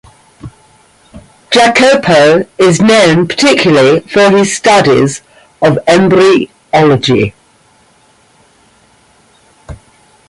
Jacopo is known particularly for his studies of embryology.